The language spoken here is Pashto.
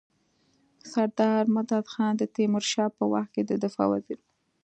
سردار مددخان د تيمورشاه په وخت کي د دفاع وزیر وو.